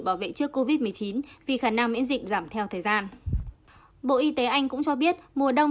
bảo vệ trước covid một mươi chín vì khả năng miễn dịch giảm theo thời gian bộ y tế anh cũng cho biết mùa đông